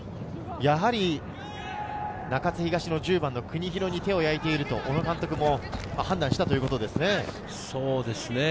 中津東の１０番・国広に手を焼いていると、小野監督も判断したということですね。